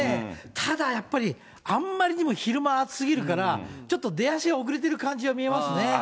ただやっぱり、あんまりにも昼間暑すぎるから、ちょっと出足が遅れてる感じが見えますね。